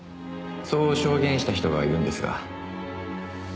そう証言した人がいるんですが。